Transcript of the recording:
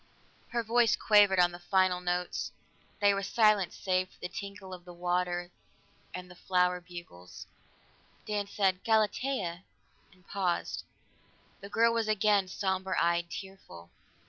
'" Her voice quavered on the final notes; there was silence save for the tinkle of water and the flower bugles. Dan said, "Galatea " and paused. The girl was again somber eyed, tearful.